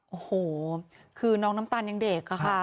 โอ้โหคือน้องน้ำตาลยังเด็กค่ะ